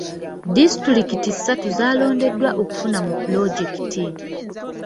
Disitulikiti ssatu zaalondeddwa okufuna mu pulojekiti.